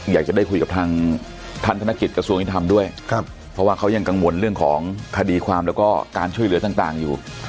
อยากจะได้คุยกับทางท่านธนกิจกระทรวงยุติธรรมด้วยเพราะว่าเขายังกังวลเรื่องของคดีความแล้วก็การช่วยเหลือต่างอยู่